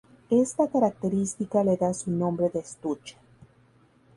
Esta característica le da su nombre de estuche.